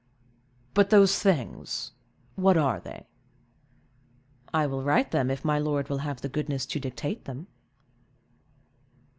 "But those things—what are they?" "I will write them, if my lord will have the goodness to dictate them."